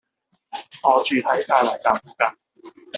我住喺大圍站附近